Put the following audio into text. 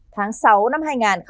tháng sáu năm hai nghìn hai mươi ba